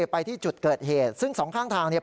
ไปที่จุดเกิดเหตุซึ่งสองข้างทางเนี่ย